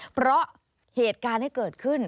เพราะเหตุการณ์ที่เกิดขึ้น